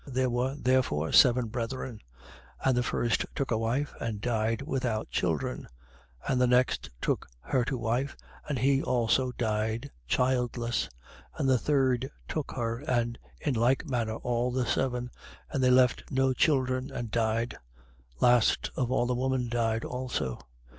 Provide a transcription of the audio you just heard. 20:29. There were therefore seven brethren: and the first took a wife and died without children. 20:30. And the next took her to wife: and he also died childless. 20:31. And the third took her. And in like manner, all the seven: and they left no children and died. 20:32. Last of all the woman died also.